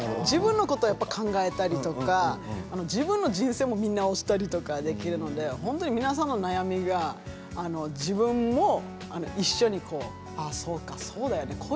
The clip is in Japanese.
自分のことを考えたりとか自分の人生も見直したりとかできるので本当に皆さんの悩みが自分も一緒にああ、そうか、そうだよね